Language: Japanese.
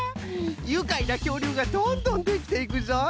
ゆかいなきょうりゅうがどんどんできていくぞい！